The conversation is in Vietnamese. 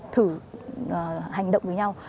thử hành động với nhau